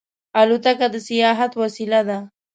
الوتکه د سیاحت وسیله ده.